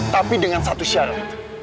tapi dengan satu syarat